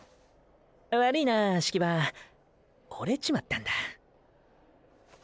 悪いな葦木場折れちまったんだ。